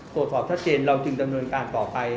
ตรวจสอบชัดเจนเราจึงดำเนินการต่อไป